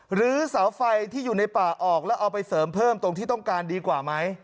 หรือเสาไฟที่อยู่ในป่าออกแล้วเอาไปเสริมเพิ่มตรงที่ต้องการดีกว่าไหม